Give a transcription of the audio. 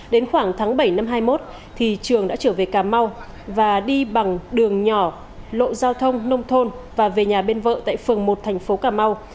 đến khoảng tháng bảy năm hai nghìn một mươi một trường đã trở về cà mau và đi bằng đường nhỏ lộ giao thông nông thôn và về nhà bên vợ tại phường một thành phố cà mau